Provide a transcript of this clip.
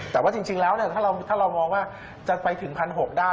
แต่ว่าจริงแล้วถ้าเรามองว่าจะไปถึง๑๖๐๐ได้